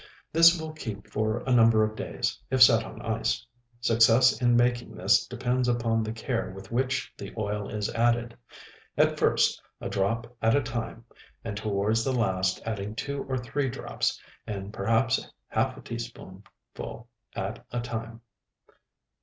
This will keep for a number of days, if set on ice. Success in making this depends upon the care with which the oil is added; at first, a drop at a time, and towards the last adding two or three drops, and perhaps half a teaspoonful at a time.